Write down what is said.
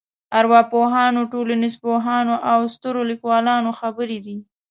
ارواپوهانو ټولنپوهانو او سترو لیکوالانو خبرې دي.